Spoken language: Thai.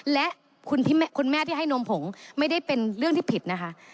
และคุณแม่ที่ให้นมผงไม่ได้เป็นเรื่องที่ผิดนะคะ